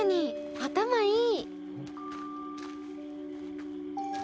頭いい！